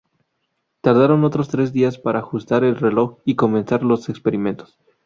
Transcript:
Tardaron otros tres días para ajustar el reloj y comenzar los experimentos.